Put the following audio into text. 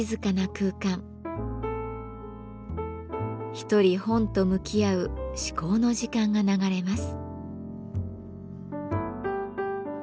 一人本と向き合う至高の時間が流れます。